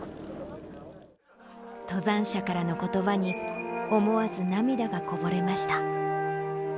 登山者からのことばに思わず涙がこぼれました。